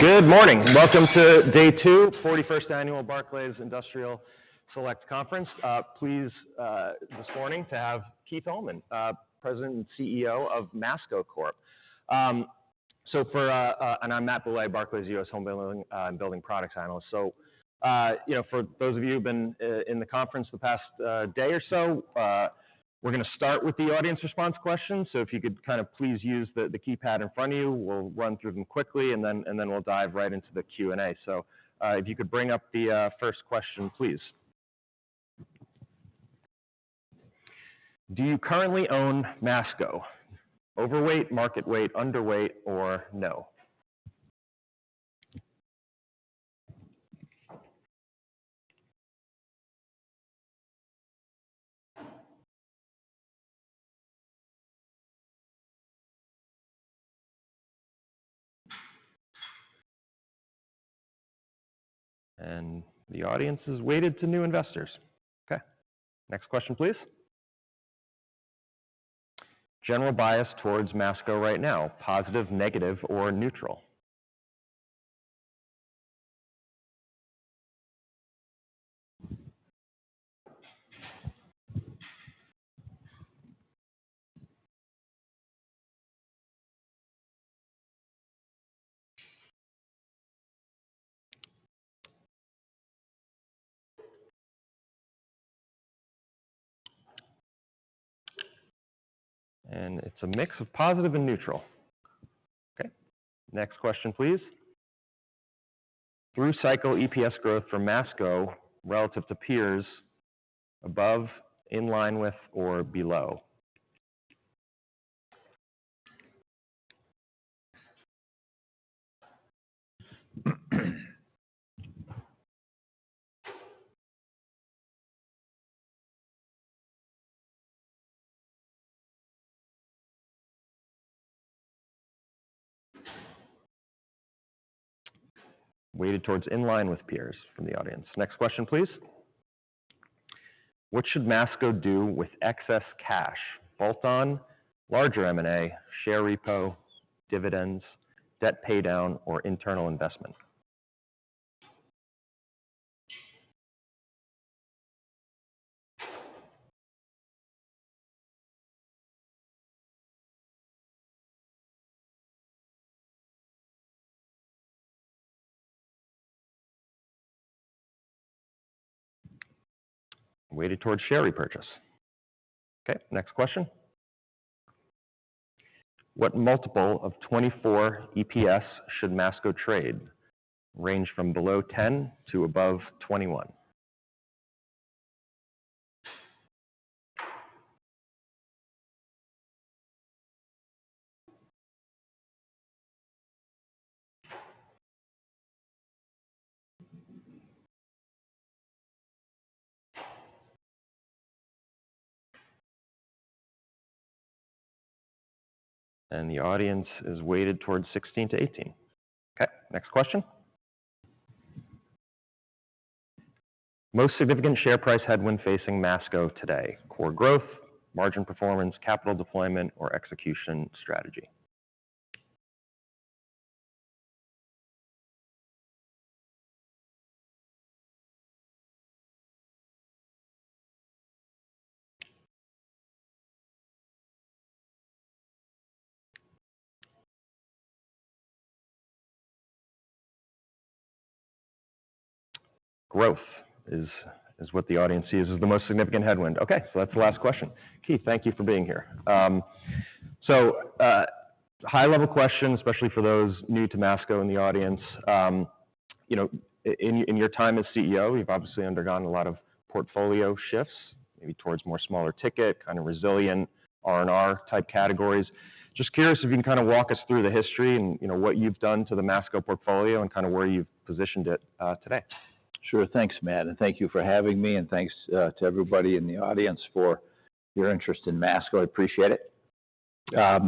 Good morning. Welcome to day two, 41st Annual Barclays Industrial Select Conference. Please. This morning we have Keith Allman, President and CEO of Masco Corp. I'm Matthew Bouley, Barclays U.S. Homebuilding and Building Products Analyst. So for those of you who've been in the conference the past day or so, we're going to start with the audience response questions. So if you could kind of please use the keypad in front of you, we'll run through them quickly and then we'll dive right into the Q&A. So if you could bring up the first question, please. Do you currently own Masco? Overweight, market weight, underweight, or no? And the audience has voted two new investors. Okay. Next question, please. General bias towards Masco right now? Positive, negative, or neutral? And it's a mix of positive and neutral. Okay. Next question, please. Through-cycle EPS growth for Masco relative to peers? Above, in line with, or below? Weighted towards in line with peers from the audience. Next question, please. What should Masco do with excess cash? Bolt-on? Larger M&A? Share repo? Dividends? Debt paydown? Or internal investment? Weighted towards share repurchase. Okay. Next question. What multiple of 2024 EPS should Masco trade? Range from below 10 to above 21. And the audience is weighted towards 16-18. Okay. Next question. Most significant share price headwind facing Masco today? Core growth? Margin performance? Capital deployment? Or execution strategy? Growth is what the audience sees as the most significant headwind. Okay. So that's the last question. Keith, thank you for being here. So high-level question, especially for those new to Masco in the audience. In your time as CEO, you've obviously undergone a lot of portfolio shifts, maybe towards more smaller ticket, kind of resilient R&R type categories. Just curious if you can kind of walk us through the history and what you've done to the Masco portfolio and kind of where you've positioned it today. Sure. Thanks, Matt. Thank you for having me. Thanks to everybody in the audience for your interest in Masco. I appreciate it. Yeah.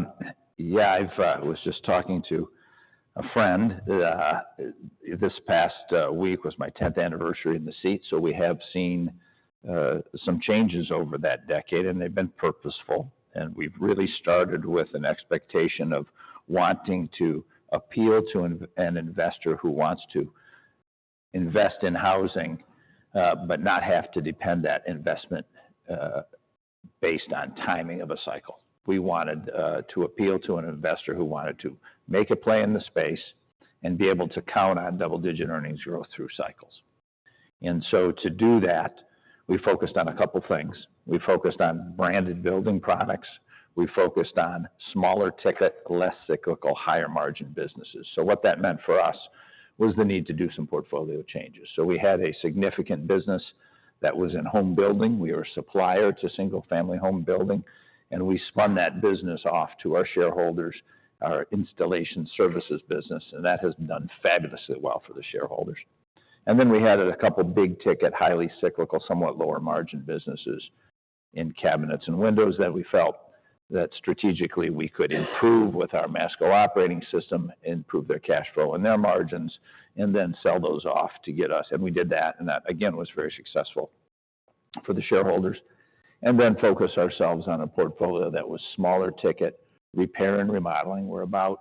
I was just talking to a friend. This past week was my 10th anniversary in the seat. So we have seen some changes over that decade, and they've been purposeful. We've really started with an expectation of wanting to appeal to an investor who wants to invest in housing but not have to depend that investment based on timing of a cycle. We wanted to appeal to an investor who wanted to make a play in the space and be able to count on double-digit earnings growth through cycles. So to do that, we focused on a couple of things. We focused on branded building products. We focused on smaller ticket, less cyclical, higher margin businesses. So what that meant for us was the need to do some portfolio changes. So we had a significant business that was in home building. We were a supplier to single-family home building, and we spun that business off to our shareholders, our installation services business. And that has done fabulously well for the shareholders. And then we had a couple of big ticket, highly cyclical, somewhat lower margin businesses in cabinets and windows that we felt that strategically we could improve with our Masco Operating System, improve their cash flow and their margins, and then sell those off to get us. And we did that, and that, again, was very successful for the shareholders. And then focus ourselves on a portfolio that was smaller ticket. Repair and remodeling were about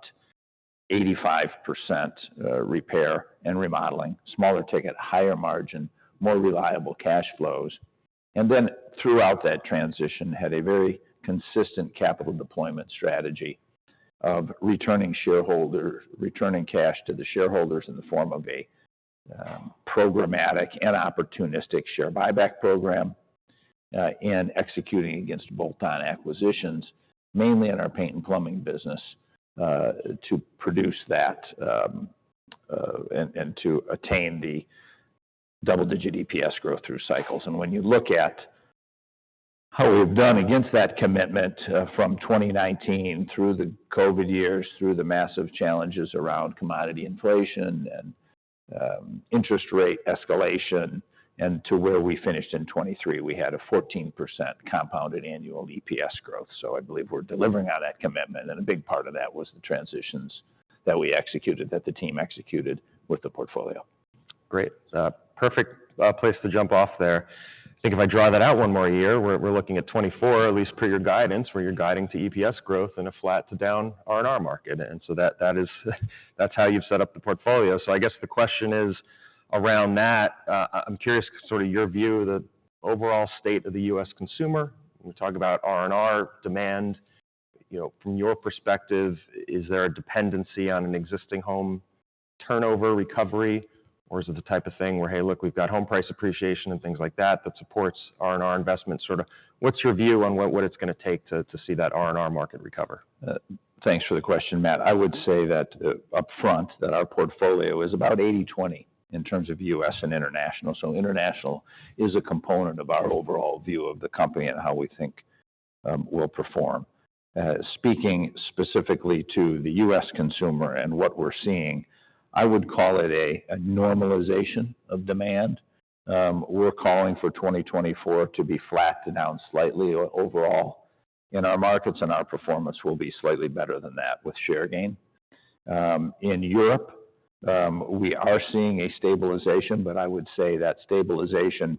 85% repair and remodeling. Smaller ticket, higher margin, more reliable cash flows. Throughout that transition, had a very consistent capital deployment strategy of returning cash to the shareholders in the form of a programmatic and opportunistic share buyback program and executing against Bolt-on acquisitions, mainly in our paint and plumbing business, to produce that and to attain the double-digit EPS growth through cycles. When you look at how we have done against that commitment from 2019 through the COVID years, through the massive challenges around commodity inflation and interest rate escalation, and to where we finished in 2023, we had a 14% compounded annual EPS growth. I believe we're delivering on that commitment. A big part of that was the transitions that the team executed with the portfolio. Great. Perfect place to jump off there. I think if I draw that out one more year, we're looking at 2024, at least per your guidance, where you're guiding to EPS growth in a flat to down R&R market. And so that's how you've set up the portfolio. So I guess the question is around that. I'm curious sort of your view, the overall state of the U.S. consumer. We talk about R&R demand. From your perspective, is there a dependency on an existing home turnover recovery, or is it the type of thing where, "Hey, look, we've got home price appreciation and things like that that supports R&R investment"? Sort of what's your view on what it's going to take to see that R&R market recover? Thanks for the question, Matt. I would say that upfront, that our portfolio is about 80/20 in terms of U.S. and international. So international is a component of our overall view of the company and how we think we'll perform. Speaking specifically to the U.S. consumer and what we're seeing, I would call it a normalization of demand. We're calling for 2024 to be flat to down slightly overall in our markets, and our performance will be slightly better than that with share gain. In Europe, we are seeing a stabilization, but I would say that stabilization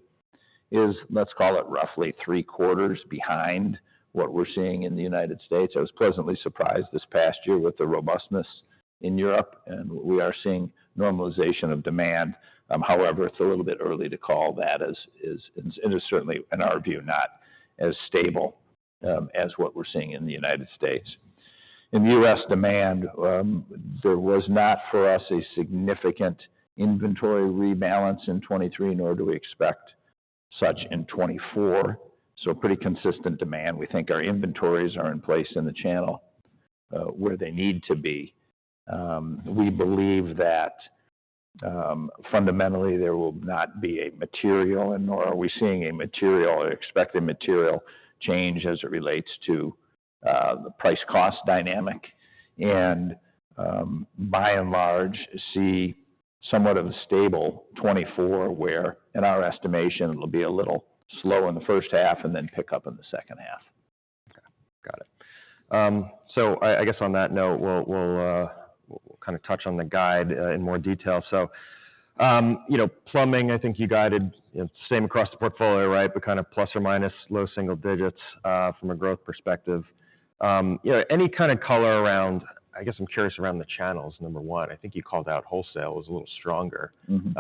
is, let's call it, roughly three-quarters behind what we're seeing in the United States. I was pleasantly surprised this past year with the robustness in Europe, and we are seeing normalization of demand. However, it's a little bit early to call that, and it's certainly, in our view, not as stable as what we're seeing in the United States. In the U.S. demand, there was not for us a significant inventory rebalance in 2023, nor do we expect such in 2024. So pretty consistent demand. We think our inventories are in place in the channel where they need to be. We believe that fundamentally there will not be a material, nor are we seeing a material or expect a material change as it relates to the price-cost dynamic, and by and large see somewhat of a stable 2024 where, in our estimation, it'll be a little slow in the first half and then pick up in the second half. Okay. Got it. So I guess on that note, we'll kind of touch on the guide in more detail. So plumbing, I think you guided same across the portfolio, right? But kind of plus or minus low single digits from a growth perspective. Any kind of color around? I guess, I'm curious around the channels, number one. I think you called out wholesale was a little stronger in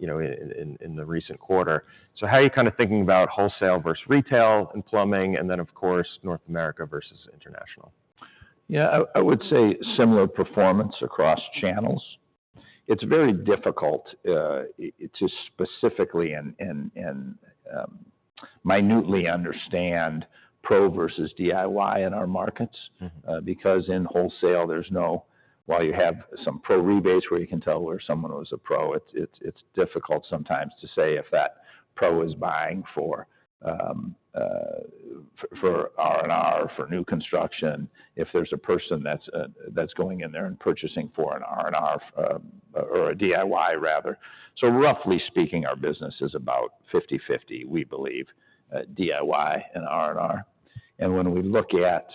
the recent quarter. So how are you kind of thinking about wholesale versus retail and plumbing, and then, of course, North America versus international? Yeah. I would say similar performance across channels. It's very difficult to specifically and minutely understand pro versus DIY in our markets because in wholesale, while you have some pro rebates where you can tell where someone was a pro, it's difficult sometimes to say if that pro is buying for R&R, for new construction, if there's a person that's going in there and purchasing for an R&R or a DIY, rather. So roughly speaking, our business is about 50/50, we believe, DIY and R&R. And when we look at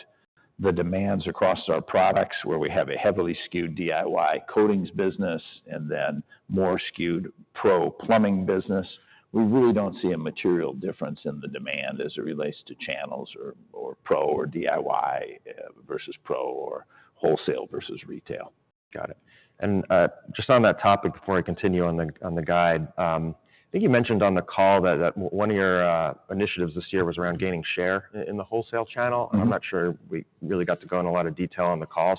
the demands across our products, where we have a heavily skewed DIY coatings business and then more skewed pro plumbing business, we really don't see a material difference in the demand as it relates to channels or pro or DIY versus pro or wholesale versus retail. Got it. Just on that topic before I continue on the guide, I think you mentioned on the call that one of your initiatives this year was around gaining share in the wholesale channel. I'm not sure we really got to go into a lot of detail on the call.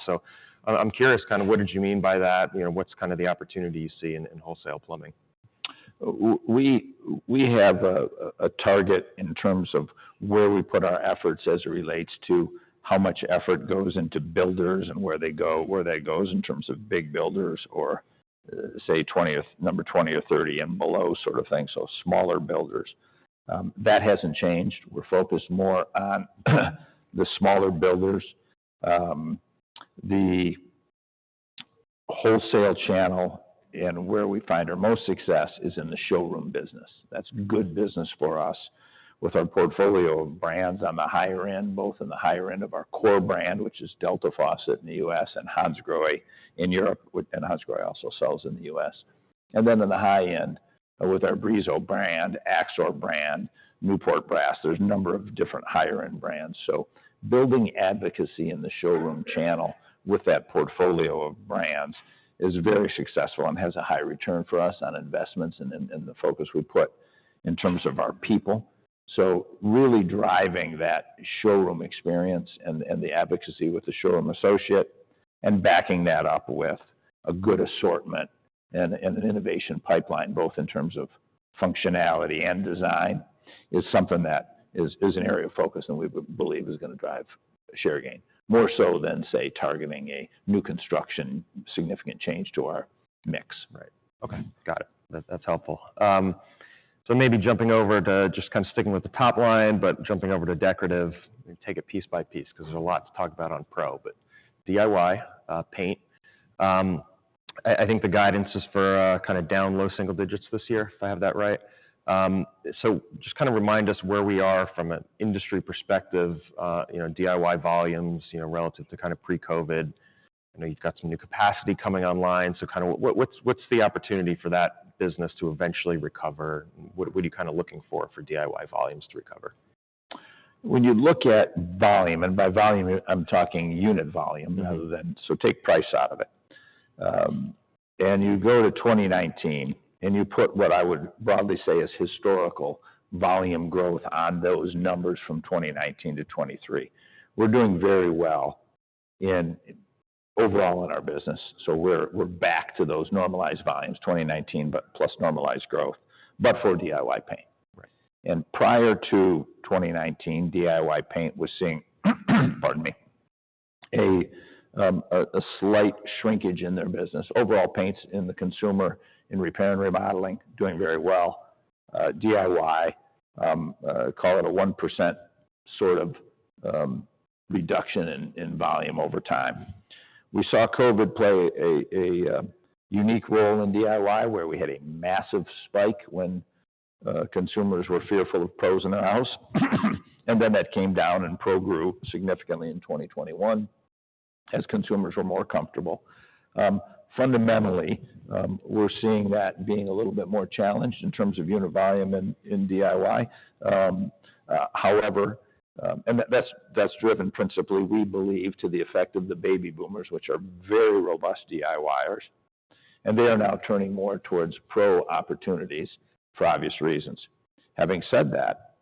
I'm curious, kind of what did you mean by that? What's kind of the opportunity you see in wholesale plumbing? We have a target in terms of where we put our efforts as it relates to how much effort goes into builders and where that goes in terms of big builders or, say, number 20 or 30 and below sort of thing, so smaller builders. That hasn't changed. We're focused more on the smaller builders. The wholesale channel and where we find our most success is in the showroom business. That's good business for us with our portfolio of brands on the higher end, both in the higher end of our core brand, which is Delta Faucet in the U.S., and Hansgrohe in Europe. And Hansgrohe also sells in the U.S. And then in the high end, with our Brizo brand, Axor brand, Newport Brass, there's a number of different higher-end brands. So building advocacy in the showroom channel with that portfolio of brands is very successful and has a high return for us on investments and in the focus we put in terms of our people. So really driving that showroom experience and the advocacy with the showroom associate and backing that up with a good assortment and an innovation pipeline, both in terms of functionality and design, is something that is an area of focus and we believe is going to drive share gain, more so than, say, targeting a new construction significant change to our mix. Right. Okay. Got it. That's helpful. So maybe jumping over to just kind of sticking with the top line, but jumping over to decorative, take it piece by piece because there's a lot to talk about on pro. But DIY, paint, I think the guidance is for kind of down low single digits this year, if I have that right. So just kind of remind us where we are from an industry perspective, DIY volumes relative to kind of pre-COVID. I know you've got some new capacity coming online. So kind of what's the opportunity for that business to eventually recover? What are you kind of looking for for DIY volumes to recover? When you look at volume and by volume, I'm talking unit volume rather than so take price out of it. And you go to 2019 and you put what I would broadly say is historical volume growth on those numbers from 2019 to 2023. We're doing very well overall in our business. So we're back to those normalized volumes, 2019 plus normalized growth, but for DIY paint. And prior to 2019, DIY paint was seeing, pardon me, a slight shrinkage in their business. Overall paints in the consumer in repair and remodeling, doing very well. DIY, call it a 1% sort of reduction in volume over time. We saw COVID play a unique role in DIY where we had a massive spike when consumers were fearful of pros in their house. And then that came down and Pro grew significantly in 2021 as consumers were more comfortable. Fundamentally, we're seeing that being a little bit more challenged in terms of unit volume in DIY. However, and that's driven principally, we believe, to the effect of the baby boomers, which are very robust DIYers. And they are now turning more towards pro opportunities for obvious reasons. Having said that,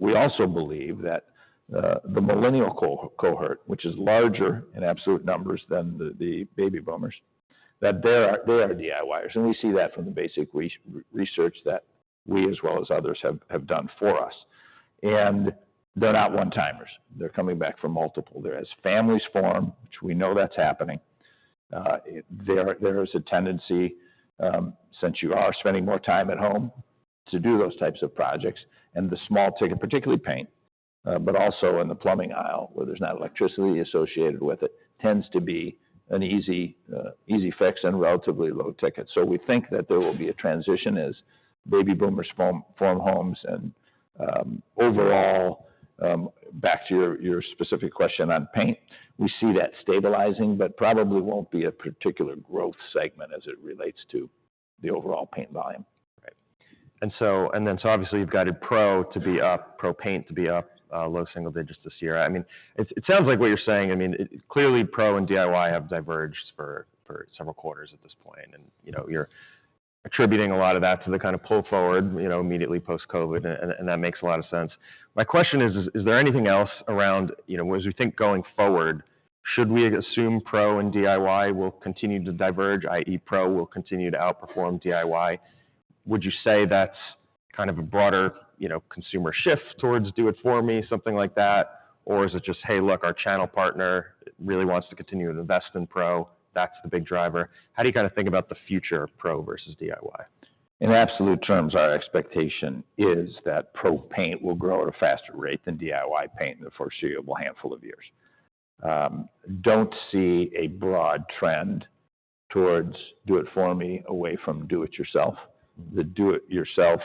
we also believe that the millennial cohort, which is larger in absolute numbers than the baby boomers, that they are DIYers. And we see that from the basic research that we, as well as others, have done for us. And they're not one-timers. They're coming back for multiple. As families form, which we know that's happening, there is a tendency, since you are spending more time at home, to do those types of projects. The small ticket, particularly paint, but also in the plumbing aisle where there's not electricity associated with it, tends to be an easy fix and relatively low ticket. We think that there will be a transition as baby boomers form homes and overall back to your specific question on paint, we see that stabilizing but probably won't be a particular growth segment as it relates to the overall paint volume. Right. Obviously you've guided Pro to be up, Pro paint to be up low single digits this year. I mean, it sounds like what you're saying, I mean, clearly Pro and DIY have diverged for several quarters at this point. You're attributing a lot of that to the kind of pull forward immediately post-COVID, and that makes a lot of sense. My question is, is there anything else around as we think going forward, should we assume Pro and DIY will continue to diverge, i.e., Pro will continue to outperform DIY? Would you say that's kind of a broader consumer shift towards do-it-for-me, something like that? Or is it just, "Hey, look, our channel partner really wants to continue to invest in Pro. That's the big driver"? How do you kind of think about the future of Pro versus DIY? In absolute terms, our expectation is that pro paint will grow at a faster rate than DIY paint in the foreseeable handful of years. Don't see a broad trend towards do-it-for-me away from do-it-yourself. The do-it-yourself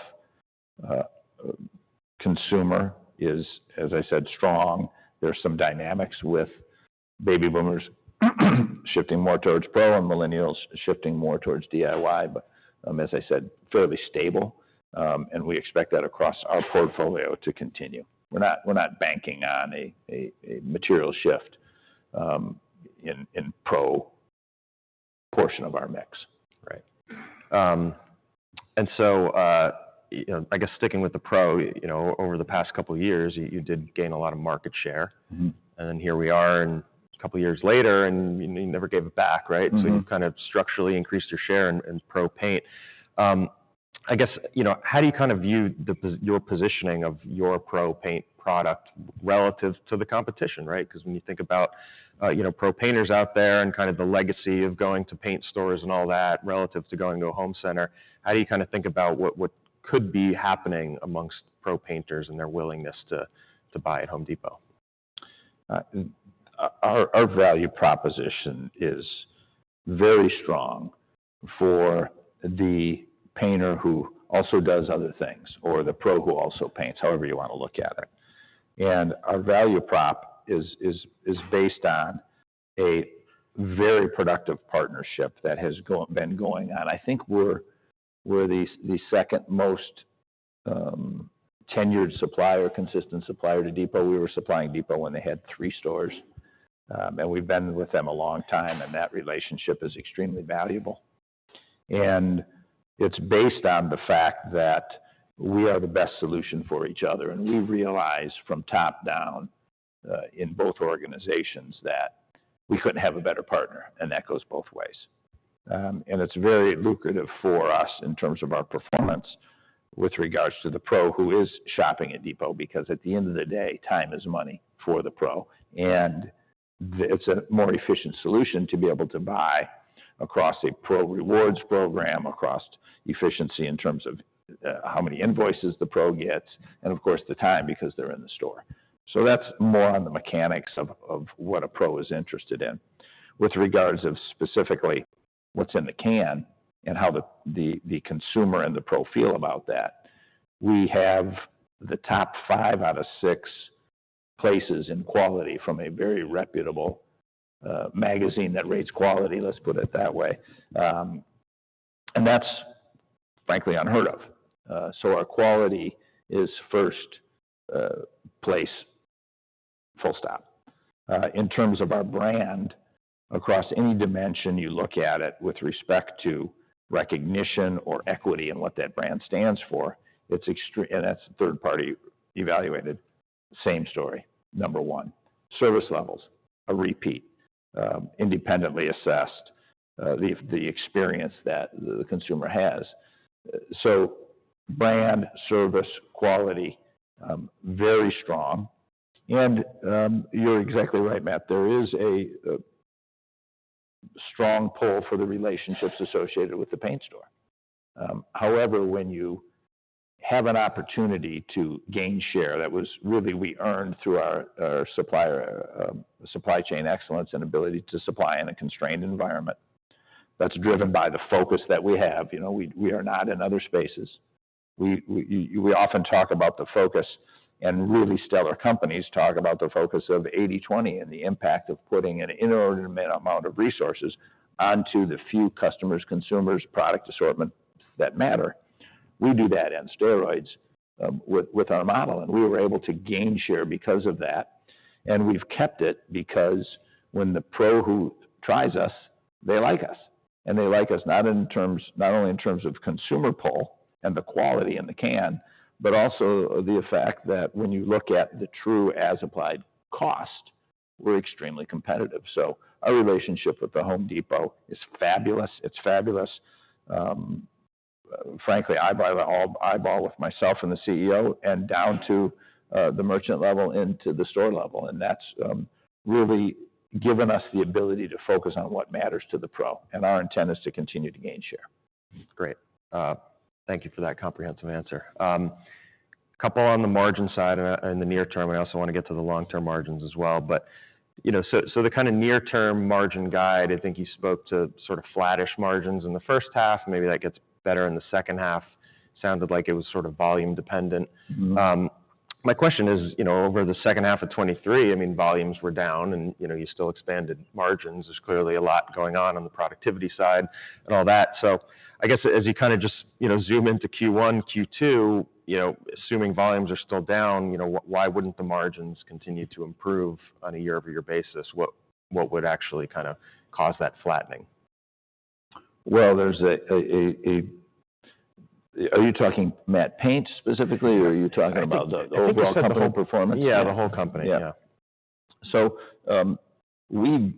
consumer is, as I said, strong. There's some dynamics with baby boomers shifting more towards pro and millennials shifting more towards DIY, but as I said, fairly stable. And we expect that across our portfolio to continue. We're not banking on a material shift in pro portion of our mix. Right. And so I guess sticking with the pro, over the past couple of years, you did gain a lot of market share. And then here we are a couple of years later, and you never gave it back, right? So you've kind of structurally increased your share in pro paint. I guess how do you kind of view your positioning of your pro paint product relative to the competition, right? Because when you think about pro painters out there and kind of the legacy of going to paint stores and all that relative to going to a home center, how do you kind of think about what could be happening amongst pro painters and their willingness to buy at Home Depot? Our value proposition is very strong for the painter who also does other things or the pro who also paints, however you want to look at it. And our value prop is based on a very productive partnership that has been going on. I think we're the second most tenured supplier, consistent supplier to Home Depot. We were supplying Home Depot when they had 3 stores. And we've been with them a long time, and that relationship is extremely valuable. And it's based on the fact that we are the best solution for each other. And we realize from top down in both organizations that we couldn't have a better partner. And that goes both ways. And it's very lucrative for us in terms of our performance with regards to the pro who is shopping at Home Depot because at the end of the day, time is money for the pro. It's a more efficient solution to be able to buy across a pro rewards program, across efficiency in terms of how many invoices the pro gets, and of course, the time because they're in the store. So that's more on the mechanics of what a pro is interested in. With regards to specifically what's in the can and how the consumer and the pro feel about that, we have the top 5 out of 6 places in quality from a very reputable magazine that rates quality, let's put it that way. And that's, frankly, unheard of. So our quality is first place, full stop. In terms of our brand, across any dimension you look at it with respect to recognition or equity and what that brand stands for, and that's third-party evaluated, same story, number one. Service levels, a repeat, independently assessed the experience that the consumer has. So, brand, service, quality: very strong. And you're exactly right, Matt. There is a strong pull for the relationships associated with the paint store. However, when you have an opportunity to gain share, that was really we earned through our supply chain excellence and ability to supply in a constrained environment. That's driven by the focus that we have. We are not in other spaces. We often talk about the focus, and really stellar companies talk about the focus of 80/20 and the impact of putting an inordinate amount of resources onto the few customers, consumers, product assortment that matter. We do that on steroids with our model. And we were able to gain share because of that. And we've kept it because when the pro who tries us, they like us. They like us not only in terms of consumer pull and the quality in the can, but also the fact that when you look at the true as-applied cost, we're extremely competitive. Our relationship with The Home Depot is fabulous. It's fabulous. Frankly, I buy the eyeball with myself and the CEO and down to the merchant level into the store level. That's really given us the ability to focus on what matters to the pro. Our intent is to continue to gain share. Great. Thank you for that comprehensive answer. A couple on the margin side in the near term, and I also want to get to the long-term margins as well. But so the kind of near-term margin guide, I think you spoke to sort of flat-ish margins in the first half. Maybe that gets better in the second half. Sounded like it was sort of volume-dependent. My question is, over the second half of 2023, I mean, volumes were down, and you still expanded margins. There's clearly a lot going on on the productivity side and all that. So I guess as you kind of just zoom into Q1, Q2, assuming volumes are still down, why wouldn't the margins continue to improve on a year-over-year basis? What would actually kind of cause that flattening? Well, are you talking, Matt, paint specifically, or are you talking about the overall company performance? Yeah, the whole company. Yeah. So we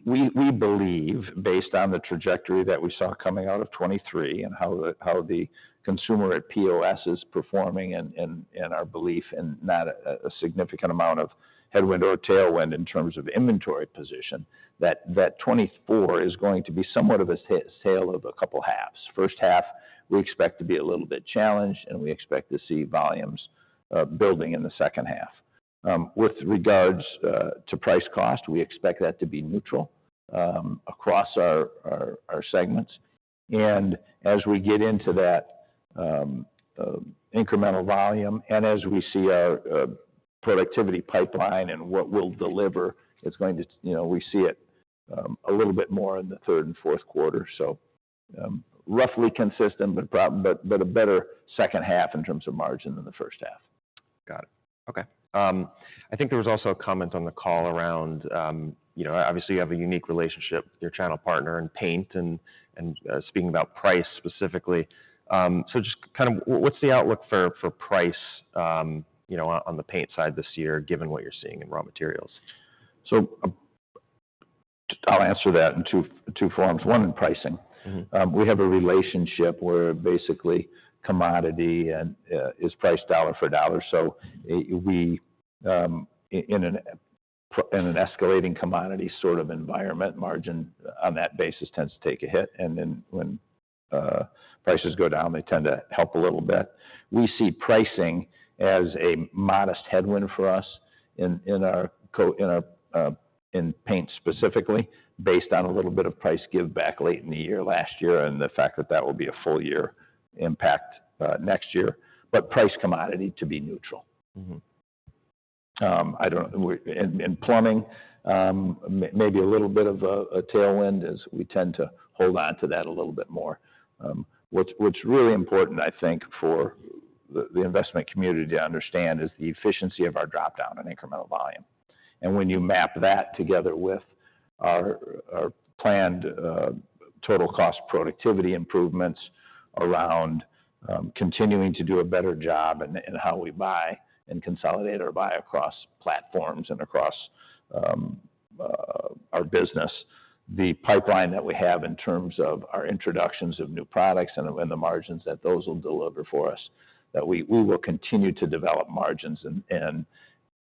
believe, based on the trajectory that we saw coming out of 2023 and how the consumer at POS is performing and our belief in not a significant amount of headwind or tailwind in terms of inventory position, that 2024 is going to be somewhat of a tale of a couple halves. First half, we expect to be a little bit challenged, and we expect to see volumes building in the second half. With regards to price-cost, we expect that to be neutral across our segments. And as we get into that incremental volume and as we see our productivity pipeline and what we'll deliver, it's going to we see it a little bit more in the third and fourth quarter. So roughly consistent, but a better second half in terms of margin than the first half. Got it. Okay. I think there was also a comment on the call around, obviously, you have a unique relationship with your channel partner in paint and speaking about price specifically. So just kind of what's the outlook for price on the paint side this year, given what you're seeing in raw materials? So I'll answer that in two forms. One in pricing. We have a relationship where basically commodity is priced dollar for dollar. So in an escalating commodity sort of environment, margin on that basis tends to take a hit. And then when prices go down, they tend to help a little bit. We see pricing as a modest headwind for us in paint specifically based on a little bit of price give-back late in the year last year and the fact that that will be a full-year impact next year. But price commodity to be neutral. In plumbing, maybe a little bit of a tailwind as we tend to hold onto that a little bit more. What's really important, I think, for the investment community to understand is the efficiency of our dropdown and incremental volume. When you map that together with our planned total cost productivity improvements around continuing to do a better job in how we buy and consolidate our buy across platforms and across our business, the pipeline that we have in terms of our introductions of new products and the margins that those will deliver for us, that we will continue to develop margins.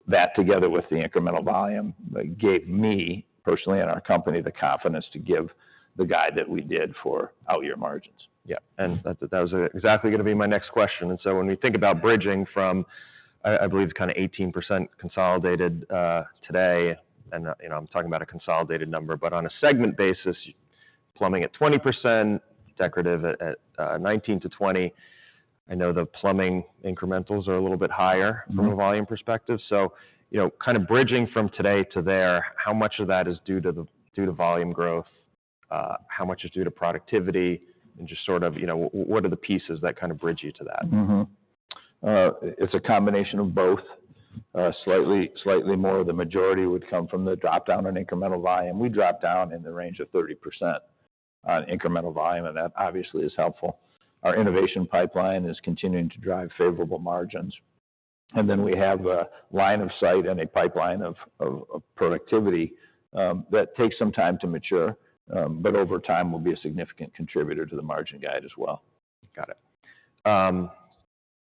That together with the incremental volume gave me personally and our company the confidence to give the guide that we did for out-year margins. Yeah. That was exactly going to be my next question. So when we think about bridging from, I believe, kind of 18% consolidated today, and I'm talking about a consolidated number, but on a segment basis, plumbing at 20%, decorative at 19%-20%, I know the plumbing incrementals are a little bit higher from a volume perspective. So kind of bridging from today to there, how much of that is due to volume growth? How much is due to productivity? And just sort of what are the pieces that kind of bridge you to that? It's a combination of both. Slightly more of the majority would come from the dropdown and incremental volume. We drop down in the range of 30% on incremental volume, and that obviously is helpful. Our innovation pipeline is continuing to drive favorable margins. And then we have a line of sight and a pipeline of productivity that takes some time to mature, but over time, will be a significant contributor to the margin guide as well. Got it.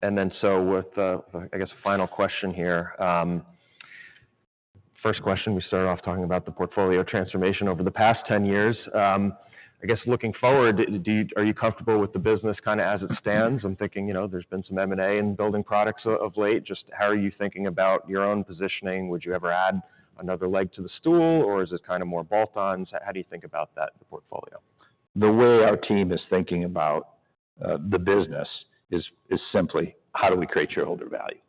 And then, so with, I guess, a final question here, first question, we started off talking about the portfolio transformation over the past 10 years. I guess looking forward, are you comfortable with the business kind of as it stands? I'm thinking there's been some M&A and building products of late. Just how are you thinking about your own positioning? Would you ever add another leg to the stool, or is it kind of more bolt-ons? How do you think about that, the portfolio? The way our team is thinking about the business is simply, how do we create shareholder value?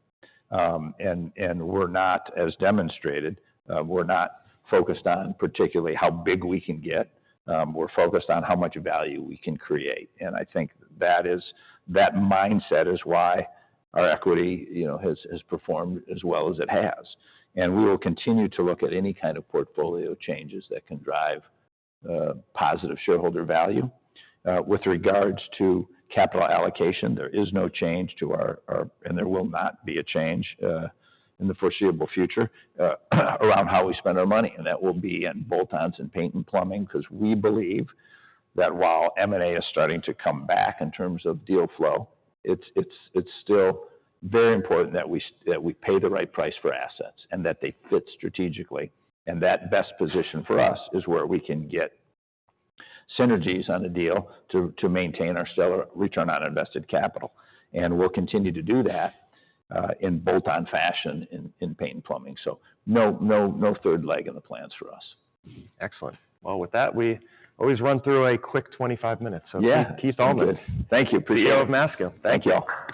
We're not, as demonstrated, we're not focused on particularly how big we can get. We're focused on how much value we can create. I think that mindset is why our equity has performed as well as it has. We will continue to look at any kind of portfolio changes that can drive positive shareholder value. With regards to capital allocation, there is no change, and there will not be a change in the foreseeable future, around how we spend our money. That will be in bolt-ons and paint and plumbing because we believe that while M&A is starting to come back in terms of deal flow, it's still very important that we pay the right price for assets and that they fit strategically. That best position for us is where we can get synergies on a deal to maintain our stellar return on invested capital. We'll continue to do that in bolt-on fashion in paint and plumbing. No third leg in the plans for us. Excellent. Well, with that, we always run through a quick 25 minutes. So, Keith Allman. Yeah, good. Thank you. Appreciate it. CEO of Masco, John Sznewajs. Thank you.